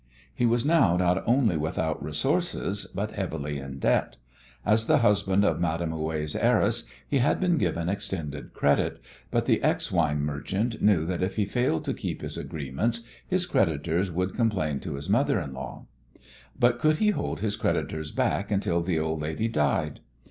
He was now not only without resources, but heavily in debt. As the husband of Madame Houet's heiress he had been given extended credit, but the ex wine merchant knew that if he failed to keep his agreements his creditors would complain to his mother in law. But could he hold his creditors back until the old lady died?